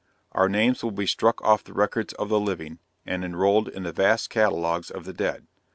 Our names will be struck off the records of the living, and enrolled in the vast catalogues of the dead.